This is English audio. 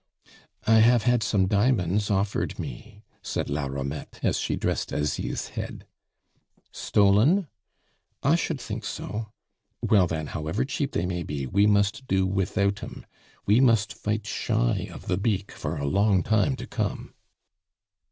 "I have had some diamonds offered me," said la Romette as she dressed Asie's head. "Stolen?" "I should think so." "Well, then, however cheap they may be, we must do without 'em. We must fight shy of the beak for a long time to come."